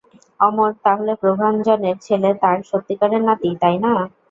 অমর, তাহলে প্রভাঞ্জনের ছেলে তার সত্যিকারের নাতি, তাই না?